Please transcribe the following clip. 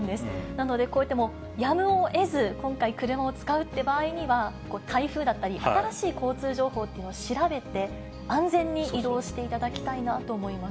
なので、こういったやむをえず、今回、車を使うって場合には、台風だったり、新しい交通情報っていうのを調べて、安全に移動していただきたいなと思います。